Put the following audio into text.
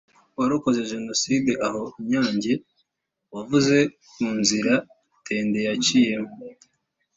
warokotse Jenoside aho i Nyange wavuze ku nzira ndende yaciyemo